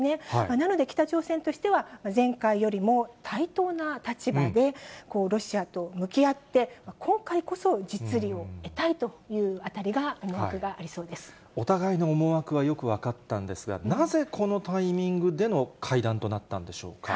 なので、北朝鮮としては、前回よりも対等な立場で、ロシアと向き合って、今回こそ実利を得たいというあたりが、お互いの思惑はよく分かったんですが、なぜこのタイミングでの会談となったんでしょうか。